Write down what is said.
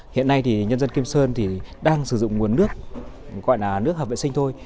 hiện nay thì nhân dân kim sơn thì đang sử dụng nguồn nước gọi là nước hợp vệ sinh thôi